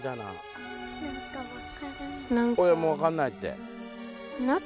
親も分かんないって。